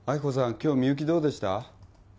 今日みゆきどうでした？